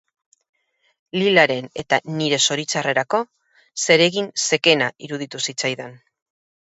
Lilaren eta nire zoritxarrerako, zeregin zekena iruditu zitzaidan.